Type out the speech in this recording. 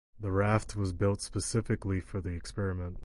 The raft was built specifically for the experiment.